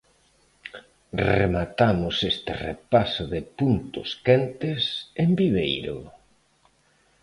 Rematamos este repaso de puntos quentes en Viveiro.